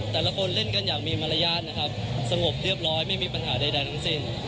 แต่ละคนเล่นกันอย่างมีมารยาทนะครับสงบเรียบร้อยไม่มีปัญหาใดทั้งสิ้น